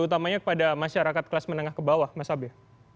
utamanya kepada masyarakat kelas menengah ke bawah mas abe